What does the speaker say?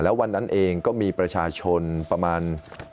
แล้ววันนั้นเองก็มีประชาชนประมาณ